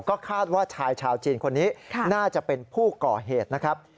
ก็คาดว่าชายชาวจีนคนนี้น่าจะเป็นผู้ก่อเหตุนะครับ